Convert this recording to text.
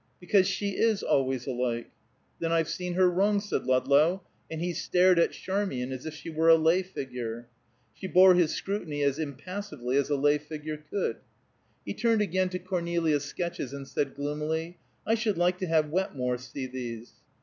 "Because she is always alike." "Then I've seen her wrong," said Ludlow, and he stared at Charmian as if she were a lay figure. She bore his scrutiny as impassively as a lay figure could. He turned again to Cornelia's sketches, and said gloomily, "I should like to have Wetmore see these."